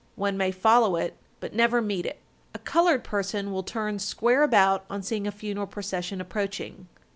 One may follow it, but never meet it. A colored person will turn square about on seeing a funeral procession approaching.